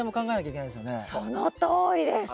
そのとおりです！